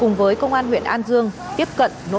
cùng với công an huyện an dương tiếp cận nỗ lực dựa lửa